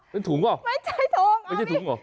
ไม่ใช่ถุง